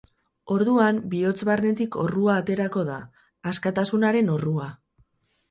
Orduan bihotz barnetik orrua aterako da, askatasunaren orrua.